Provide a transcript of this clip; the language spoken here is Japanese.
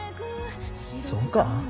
そうか？